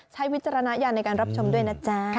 วิจารณญาณในการรับชมด้วยนะจ๊ะ